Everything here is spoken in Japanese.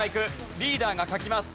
リーダーが書きます。